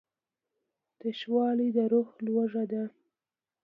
تشوالی د روح لوږه ده.